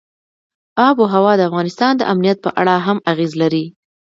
آب وهوا د افغانستان د امنیت په اړه هم اغېز لري.